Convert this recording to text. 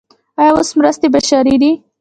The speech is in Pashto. آیا اوس مرستې بشري دي؟